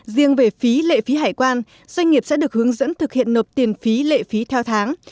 riêng về phí lệ phí hải quan doanh nghiệp sẽ được hướng dẫn thực hiện nộp tiền phí lệ phí theo tháng